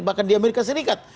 bahkan di amerika serikat